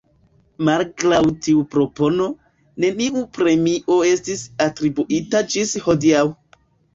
Malgraŭ tiu propono, neniu premio estis atribuita ĝis hodiaŭ.